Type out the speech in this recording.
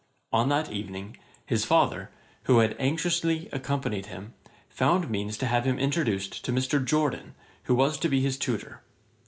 On that evening, his father, who had anxiously accompanied him, found means to have him introduced to Mr. Jorden, who was to be his tutor.